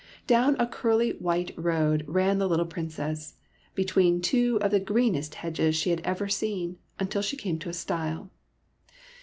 Down a curly white road ran the little Princess, between two of the greenest hedges she had ever seen, until she came to a stile.